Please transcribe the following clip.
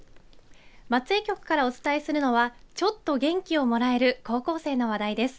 松江局からお伝えするのはちょっと元気をもらえる高校生の話題です。